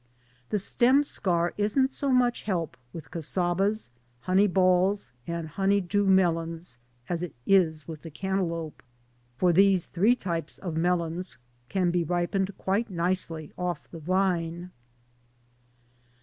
The stem scar isn't so much help with casabas, honeyballs, and honeydew melons as it is with the cantaloupe. For these three types of melons can be ripened quite nicely off the vine.